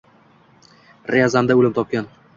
Ryazanda oʼlim topgan